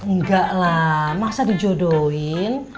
nggak lah masa dijodohin